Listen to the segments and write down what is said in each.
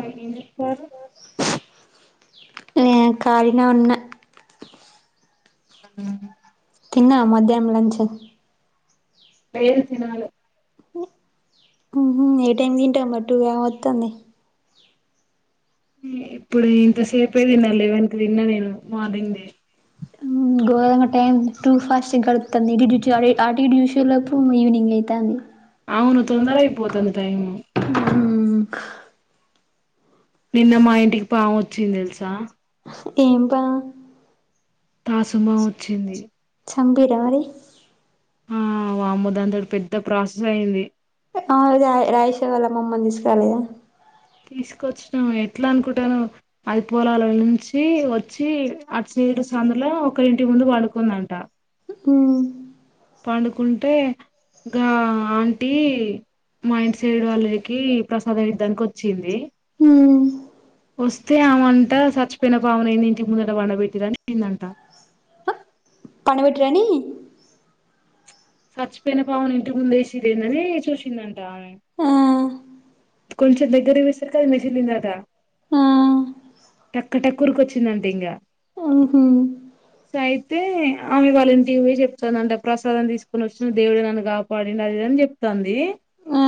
ఆయన ఏం చెప్తారు ఊమ్ కాలినే ఉన్న ఆ తిన్నా మధ్యానం లంచ్ లేదు తినాలే ఉహూ ఏ టైమ్ తింటావ్ మరి టూ కావత్తంది ఇప్పుడు ఇంతసేపే తిన్నా లెవెన్ తిన్నా నేను మార్నింగ్ దే గోంగ టైం టూ ఫాస్ట్ గడుపుతుంది ఇ ఆటిూష లోప్పుడు ఈవినింగ్ అయితుంది అవును సందారా ఇపోత అంత టైము నిన్న మా ఇంటికి పాము వచ్చింది తెలుసా ఏంబా తాసుమా వచ్చింది చంపిర మరి ఆ వామో దాంతోటి పెద్ద ప్రాసెస్ అయి్యంది ఆ రాయిష వాళ్ మమ్మని తీసుకురాలేదా తీసుకొచ్చినను ఎట్లా అనుకుంటాను అది పొలాల నుంచి వచ్చి అరు సందులో ఒక ఇంటి ముందు పండుకుందంట హుమ్ పండుకుంటే ఇం ఆంటీ మా ఇంటి సైడ్ వాళ్ళకి ప్రసాదం ఇధానికి వచ్చింది వస్తే ఆమంట చచ్చిపోయిన పావనయింది ఇంటికి ముందట వండ పెెట్టిరని చెదంట పనబెట్ రాని చచ్చిపోయిన పాముని ఇంటి ముంద వేసి రెందని చూసిందంట ఆమె ఆ కొంచెం దగ్గర వి సర కదు మెసిలిందాదా ఆ టక్క టక్కురికి వచ్చిందంటే ఇంకా ఉహు సో అయితే ఆమె వాళ్ళంటివే చెప్తాంది అంట ప్రసాదం తీసుకొని వచ్చిన దేవుడే నన్ను కాపాడింది అదిదని చెప్తుంది ఆ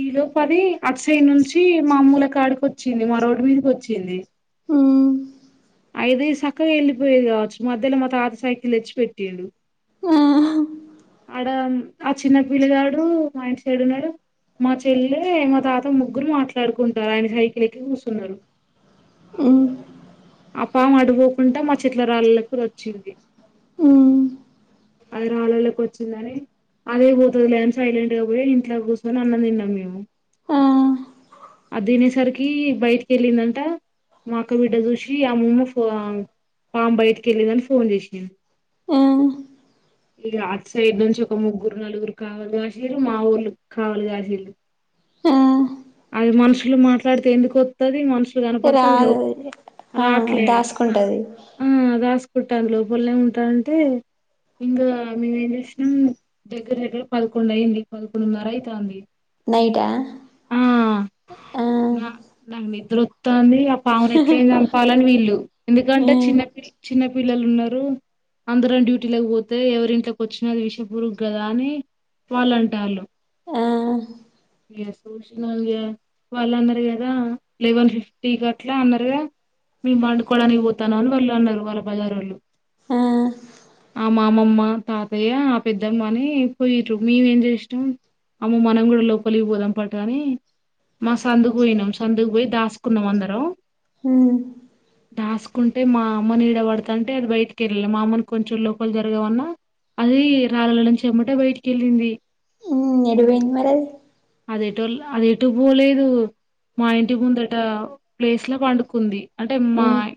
ఈ లోపది అక్షయ నుంచి మామూల కాడకి వచ్చింది మా రోడ్డు మీదకి వచ్చి ఉ ఐద సక్కగా వెళ్ళిపోయేది కావచ్చు మధ్యలో మా తాత సైకిల్ తెచ్చి పెట్డు ఆ ఆడ ఆ చిన్న పిల్ల గడు ఆయన సైడున్నాడు మా చెల్లె మా తాత ముగ్గురు మాట్లాడుకుంటారు ఆయన సైకిల్ ఎక్కి కూర్చున్నారు అ ఆ పాము అడుపోకుండా మా చెట్ల రాళ్ళకి వచ్చింది ఉ అది రాళ్ళళ్ళకి వచ్చిందని అదే పోతుంది లేని సైలెంట్ గా పోయి ఇంట్లో కూర్చొని అన్నం తిన్నాం మేము ఆ అది తినేసరికి బయటికి వెళ్ళిందంట మా అక్క బిడ్డ చూసి అమ్మ ఫో పామ్ బయటికి వెళ్ళిందని ఫోన్ చేసిను ఆ ఇ అత్ సైడ్ నుంచి ఒక ముగ్గురు నలుగురు కావాలి కాశీలు మా ఊర్ళ కావాలి కాశీలు ఆ మనుషులు మాట్లాడితే ఎందుకుస్తుది మను సరే అద రాట్లే ఆ దాసుకు త లోపలనే ఉంటానంటే ఇంకా మేము ఏం చేసినాం దగ్గర దగ్గర పదకొండు అయింది పదకొడున్నర అవుతుంది నైటా ఆ ది ఆ పామున ఎట్లంది పాలన వీల్ళలు ఎందుకంటే ఉమ్ చిన్నపిల్ చిన్నపిల్ పిల్లలు ఉన్నారు అందరం డ్యూటీలోక పోతే ఎవరి ఇంట్కి వచ్చినది విష పూరుగ్ కదా అని వాళ్ళు అంట వాళ్ళు ఆ సో వాళ్ళు అన్నారురు కదా లెవెన్ ఫిఫ్టీ గ అట్లా అన్నారుగా మేము పండుకోవడానికి పోతాను అని వాళ్ళు అన్నారు వాళ్ళ బజారు వాళ్ళు ఆ ఆ మామమ్మ తాతయ్య ఆ పెద్దమ్మ అని పోయారు మేమేం చేసాం అమ్మ మనం కూడా లోపలికి పోదాం పట అని మా సందుకు పోయినాం సందుకు పోయి దాసుకున్నాం అందరం ఉమ్ దాస్కుంట అంటే మా అమ్మని ఈడ పడతా అంటే అది బయటికి వెళ్ళాలి మా అమ్మని కొంచెం లోపలి జరగమన్నా అది రాలని చేమంటే బయటికిళ్ళింది నడువేన్ మర అది ఎటో అది ఎటో పోలేదు మా ఇంటి ముందట ప్లేస్ లో పండుకుంది అంటే ఉమ్ అమ్మాయి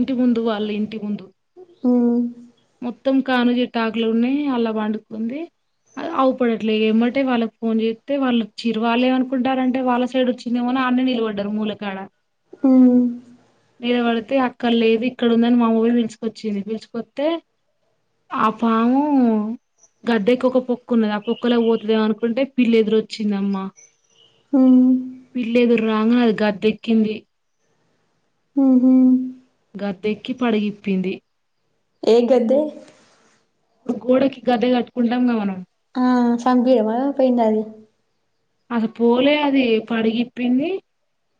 ఇంటి ముందు వాళ్ళు ఇంటి ముందు అవు మొత్తం కానుగ చెట్టు ఆకులున్నయ్ అల్ల పండుకుంది, అ అవుపడట్లే ఎంబటే వాళ్ళకి ఫోన్ చేత్తె వాళ్ళు చిర్రు వాల్లేమనుకుంటారంటే వాళ్ళ సైడోచ్చిందేమో అని ఆన్నే నిలబడ్డరు మూలకాడ. ఉమ్ నిలబడితే అక్కడ లేదు, ఇక్కడ ఉందని మావోడు పిలుచుకొచ్చిండు, పిల్సుకొత్తే ఆ పాము గద్దెకొక పొక్క ఉన్నది, ఆ పొక్కల పోతదేమో అనుకుంటే పిల్లి ఎదురొచ్ చిందమ్మ ఉమ్ పిల్లేదురు్రాంగ అది గద్దెక్కింది. ఉ హూ గద్దెక్కి పడగిప్పింది. ఏ గద్దే? గోడకి గద్దె కట్టుకుంటాం గ మనం ఆ సంపీర్ర మరీ, పోయింద అది? అసల్ పోలే అది పడిగిప్పింది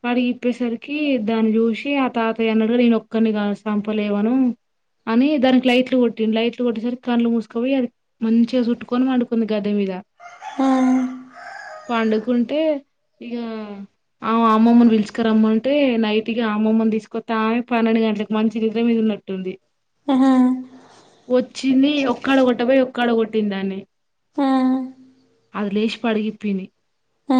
పడిగిప్పేసరికి దాన్ని చూసి ఆ తాతయ అన్నడుగద నేనొ క్కడినిగా సంపలేవను, అని దానికి లైట్లు కొట్టిండు. లైట్లు కొట్టేసరికి కళ్డ్లు మూసుకపోయి అది మంచిగా సుట్టుకొని పన్డుకుంది గద్దె మీద. ఆ పండుకుంటే ఇగ ఆమ అమ్మమ్మని పిల్చుకరమ్మంటే నైట్ ఇగ అమ్మమ్మని తీసుకొత్తే ఆమె పన్నెండు గంటలకి మంచి నిద్ర మీదన్నట్టుంది. ఆహా వచ్చింది ఒక్కాడ కొట్టబోయి ఒక్కాడ కొట్టింది దాన్ని. ఆ అది లేచి పడగి పింది ఆ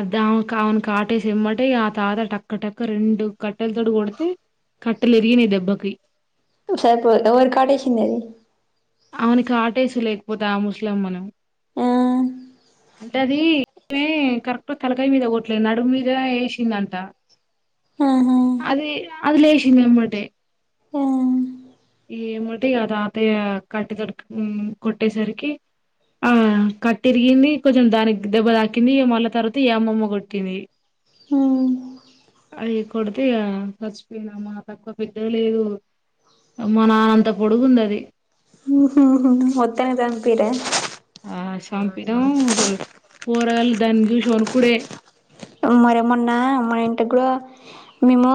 అది ఆమెకు ఆమెను కాటేసి ఎమ్మటే ఆ తాత టక్క టక్క రెండు కట్టెలతోటి కొడితే కట్టెలు ఇరిగినయి దెబ్బకి. సారి పో ఎవ్వర్కి కాటేసింది అది? ఆమెను కాటేసు లేకపోతే ఆ ముస్లమ్మను. ఆ అంటే అది కరెక్ట్ తలకాయ మీద కొట్లే నడుమ్ మీద ఏసిండన్ట ఆహా అది, అది లేసింది ఎమ్మటే ఆ ఇగ ఎమ్మోతి ఇగ తాతయ్య కట్టే తోటి ఉమ్ కొట్టేసరికి ఆ కట్టిరీగింది కొంచెం దానికి దెబ్బ తాకింది, ఇగ మళ్ళా తర్వాత ఈ అమ్మమ్మ కొట్టింది. ఉమ్ అది కొడితే ఇగ చచ్చిపోయిన్దమ్మా తక్కువ పెద్దగ లేదు. అమ్మ నాన్నంత పొడుగుంది అది. ఉ హు హు మొత్తానికి సంపిర్రా? ఆ సంపినం చెల్ పోరగాళ్ళు దాని చూసి ఒణుకుడే. మరే మొన్నా మా ఇంటిగ్గుడా, మేము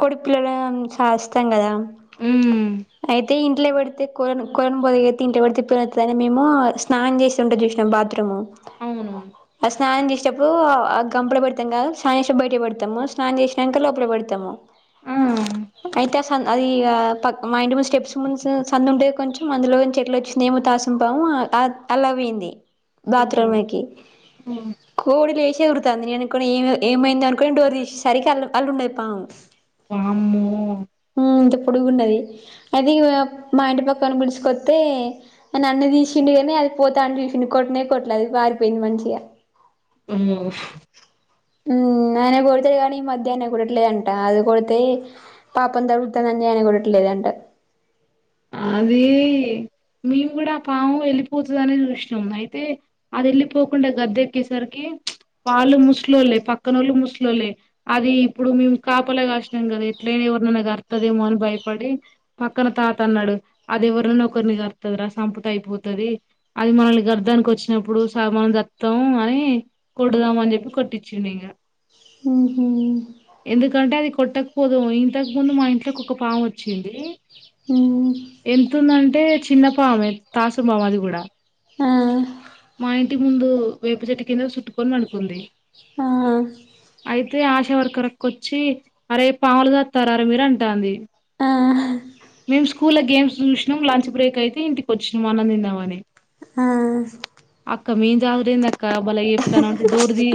కొడి పిల్లలను సాస్తం గదా. ఉమ్ అయితే ఇన్ ఇంట్లే పెడితే కోళ్లను కొల్లను పోదిగిత్తే ఇంట్ల పెడితే [unintelligible] అని మేము ఆ స్నానం చేసేదుంటది గద బాత్రూము. అవునువును. సానం చేసేప్పుడూ అద్ సంపుల పెడతాం కాద, స్నానం చేసేపుడు బయటికి పెడతము, స్నానం చేస్నంక లోపల పెడతము. ఆ అయితే ఆ సన్ అది ఇగ పక్ మా ఇంటి ముందు స్టెప్స్ ముందు సందు ఉంటే కొంచెం అందులోంచి ఎట్లొచ్చిందో ఏమో తాసుం పాము ఆ ఆ అల్లక్ పోయింది. ఓ బాత్రుమ్ ఎక్కి, ఓ కోడి లేష్ త్తాంది నేను అనుకున్న ఏం ఏమైందో అనుకొని డోర్ తీసేసరికి అల్ల అల్లున్నది పాము. వామ్మో హ్మ్ ఇంత పొడుగున్నది, అది మ మా ఇంటి పక్కన పిడిసి కొడ్తే, నన్ను తీసిండు గనీ అది పోతాంటే చూసిండు, కొట్నే కొట్టలే అది పారిపోయింది మంచిగా. అమ్మో ఉమ్ ఆనే కోడతడు కనీ, ఈ మద్య ఆనె కొట్టట్లేదంట. అది కొడితే పాపం తగుల్తదని ఆనె కొట్టట్లేదంట. అదీ, మేము కూడ ఆ పాము ఎళ్ళిపోతదనే చూస్నాం అయితే, అది ఎళ్ళిపోకుండ గద్దె ఎక్కేసరికి, వాళ్ళు ముస్లోళ్లే, పక్కనోళ్ళు ముసలోళ్లే. అది ఇప్పుడు మేము కాపల గాసినాం కదా ఎట్లైన ఎవర్నన్న కర్తదేమో అని భయపడి పక్కన తాత్ తన్నడు అది ఎవర్నన్న ఒకరిని కర్తదరా, సంపుతె అయిపోతది. అది మనల్ని గర్దానికి వచ్చినప్పుడు స మనం సత్తాం అని కొడుదాం అని చెప్పి కొట్టిచ్చిండు ఇంగ. హుహు ఎందుకంటే అది కొట్టక్ పోదుము ఇంతకు ముందు మా ఇంట్లకి ఒక పామోచ్చింది. ఉమ్ ఎంతుందంటె ఏ చిన్న పామె తాసుం పాము అది కూడా. ఆ మా ఇంటి ముందు, వేప చెట్టు కింద సుట్టుకొని పండుకుంది. ఆ అయితే ఆశ వర్ అక్కరకొచ్చి అరే పాములు సాత్తారార మీరూ అంటాంది. ఆ మేము స్కూల్ల గేమ్స్ చూసినాం లంచ్ బ్రేక్ అయితే ఇంటికి వచ్చినాం అన్నం తిందామని ఆ అక్క మిన్ జాగురేంది అక్క బలే చెప్తాన్నవ్, అంటే డోర్ ది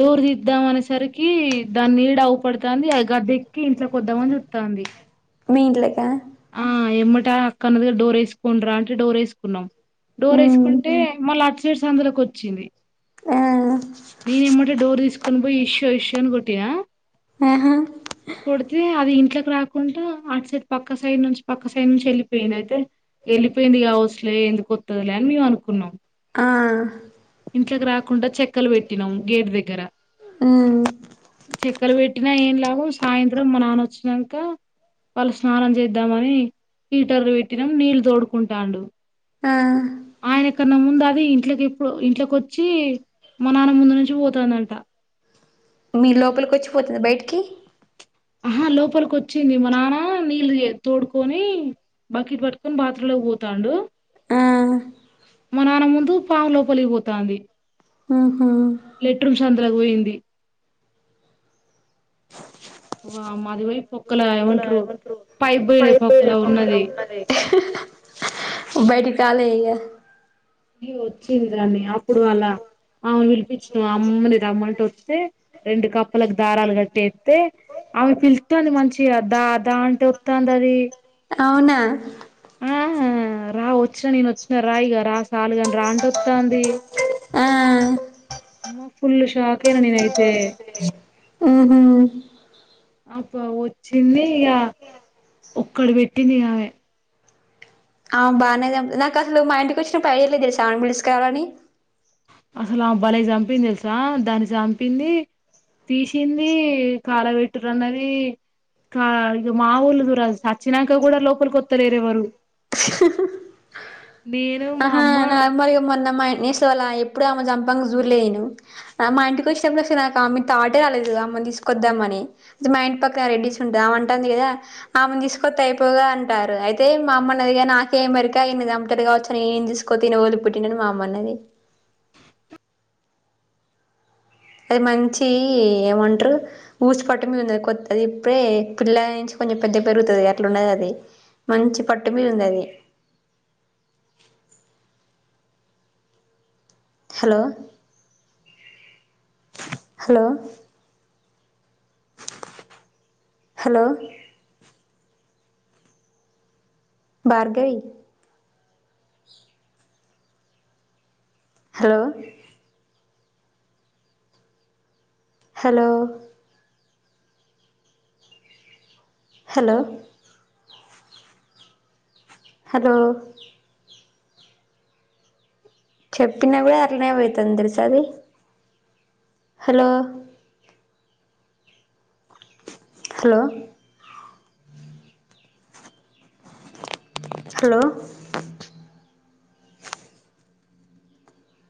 డోర్ దిద్దాం అనేసరికి దాన్ని నీడ అగు పడతంది అది గద్ద ఎక్కి ఇంట్లోకి వద్దామని చూత్తంది. మీ ఇంట్లో కా ఆ ఎమ్మట అక్క అన్నది డోర్ వేసుకుండి రా అంటే డోర్ వేసుకున్నాం డోర్ హ్మ్ వేసుకుంటే మళ్ళా అట్ సైడ్స్ సందులోకి వచ్చింది ఆ నేనుమ్మట డోర్ తీసుకొని పోయి ఇష్యూ ఇష్యో అని కొట్టినా ఆహా కొడితే అది ఇంట్లోకి రాకుండా అట్ సైడ్ పక్క పక్క సైడ్ నుంచి పక్క సైడ్ నుంచి వెళ్ళిపోయింది అయితే వెళ్ళిపోయింది కా అసలే ఎందుకు కొత్తదిలే అని మేము అనుకున్నాం ఆ ఇంట్లోకి రాకుండా చెక్కలు పెట్టినాం గేట్ దగ్గర, హ్మ్ చెక్కలు పెట్టినా ఏం లాభం సాయంత్రం మా నాన్న వచ్చినాక పలస స్నానం చేద్దామని హీటర్ పెట్టినాం నీళ్ళు తోడుకుంటాండు ఆ ఆయన కన్నా ముందు అది ఇంట్కి ఇంట్లోకి వచ్చి మా నాన్న ముందు నుంచి పోతుందంట మీ లోపలికి వచ్చిపోతాద బయట కి ఆహా లోపలికి వచ్చింది మా నాన్న నీళ్ళు తోడుకొని బకెట్ పట్టుకొని బాత్రూమ్ లోకి పోతాడు, ఆ మా నాన్న ముందు పాము లోపలికి పోతాంది ఉ హు లెట్రుమ్ సందులొకి పోయింది వామ్మో అదివయిపో పక్కల ఏమంటరు పైప్ పొక్కల పొయింది పక్కల ఉన్నది. ఉంటది బైటికి రాలే ఇగా ఇ వచ్చింది దాన్ని అప్పుడు అలా ఆమెను పిలిపించిన అమ్మని రమ్మంటె, వత్తే రెండు కప్పలకి దారాలు కట్టేత్తే ఆమె పిలుతాంది మంచిగా దా దా అంటే వత్తాంది అది. అవునా ఆ రా వచ్చినా నేను వచ్చిన రాయిగా రా సాలుగాని రా అంటే వత్తాంది ఆ అమ్మొ ఫుల్ షాక్ అయినా నేనైతే ఉ హు అకొ వచ్చింది ఇగ ఒక్కడ పెట్టింది ఆమె ఆ బాగానే నాకు అసలు మా ఇంటికి వచ్చినప్పుడు ఐడియ లేదు పిలుసుకు రావాలని అసలు ఆమె బలే చంపింది తెలుసా దాన్ని చంపింది తీసింది కాలబట్రు అన్నది కా ఇక మా ఊర్ళ చూర సచ్చినాక కూడా లోపలి కొత్తలేేరేవారు ఆహా నర్మల్గగ మొన్నమ్మా నినుసులే ఎప్పుడడు ఆమె చంపగా చూల్లెనిను మా ఇంటికి వచ్చినప్పుడు అసలు నాకు ఆమె తాటే రాలేదు అమ్మని తీసుకొద్దామనిది మా ఇంటి పక్కన రెడ్డిస్ ఉంటాంది అమంటుంది కదా అమెని తీసుకొస్తే అయిపోగా అంటారు అయితే మా అమ్మ ఉందిగా నాకేం ఎరిక అయిందింతారు కావచ్చు. నేను ఏం తీసుకో తినకూడదు పుట్టినను మా అమ్మ అన్నది అది మంచి ఏమంటారు ఊసి పట్టు మీద ఉందిది కొ అది ఇప్పుడే పిల్ల నుంచి కొంచెం పెద్ద పెరుగుతాది కదా అట్లా ఉండది అది మంచి పట్టు మీద ఉంది అది hello hello hello Bhargavi hello hello hello hello చెప్పినా కూడా అట్లానే పోవుతుందిలి స [unintelligible] అది సాలు హలో హలో హలో